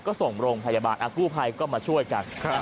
ก็ส่งโรงพยาบาลกู้ภัยก็มาช่วยกัน